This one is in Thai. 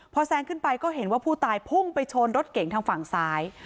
พอแซงขึ้นไปก็เห็นว่าผู้ตายพุ่งไปชนรถเก่งทางฝั่งซ้าย